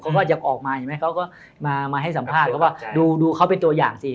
เขาก็จะออกมามาให้สัมภาษณ์